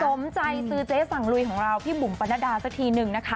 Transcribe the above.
สมใจซื้อเจ๊สั่งลุยของเราพี่บุ๋มปรณดาสักทีนึงนะคะ